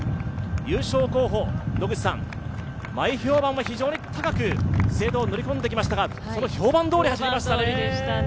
優勝候補、前評判は非常に高く資生堂、乗り込んできましたが、その評判どおり走りましたね。